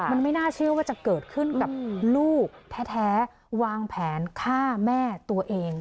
มันไม่น่าเชื่อว่าจะเกิดขึ้นกับลูกแท้วางแผนฆ่าแม่ตัวเอง